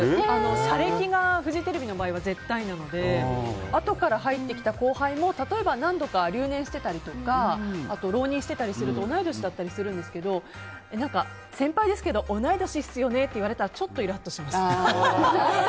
社歴がフジテレビの場合は絶対なのであとから入ってきた後輩も例えば何度か留年してたり浪人してたりすると同い年だったりするんですけど先輩ですけど同い年っすよね！とか言われたらちょっとイラッとします。